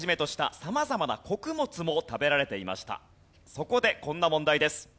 そこでこんな問題です。